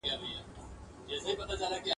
زه یم که مي نوم دی که هستي ده سره مله به یو ..